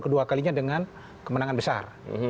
kedua kalinya dengan kemenangan besar